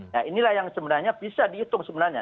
nah inilah yang sebenarnya bisa dihitung sebenarnya